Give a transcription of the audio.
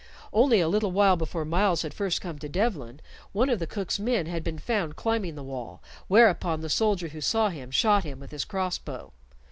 Only a little while before Myles had first come to Devlen, one of the cook's men had been found climbing the wall, whereupon the soldier who saw him shot him with his cross bow.